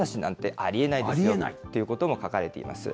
ありえない？ということも書かれています。